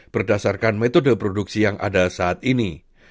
berdasarkan metode produksi yang ada saat ini